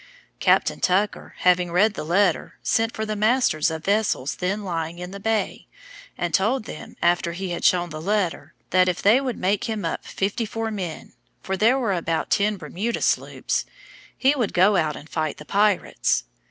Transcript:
Captain Tucker, having read the letter, sent for the masters of vessels then lying in the bay, and told them, after he had shown the letter, that if they would make him up 54 men, (for there were about ten Bermuda sloops,) he would go out and fight the pirates.